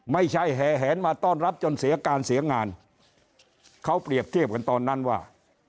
แห่แหนมาต้อนรับจนเสียการเสียงานเขาเปรียบเทียบกันตอนนั้นว่า